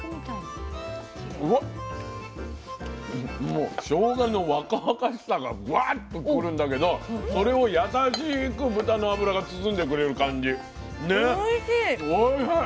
もうしょうがの若々しさがぶわっとくるんだけどそれを優しく豚の脂が包んでくれる感じね。